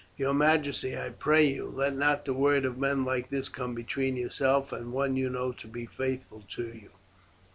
Your majesty, I pray you, let not the word of men like this come between yourself and one you know to be faithful to you."